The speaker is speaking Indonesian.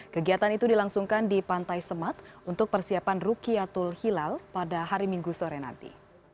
kegiatan itu dilangsungkan di pantai semat untuk persiapan rukiatul hilal pada hari minggu sore nanti